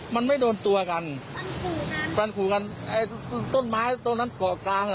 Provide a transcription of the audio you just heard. มันไม่โดนตัวกันการขู่กันไอ้ต้นไม้ตรงนั้นเกาะกลางอ่ะ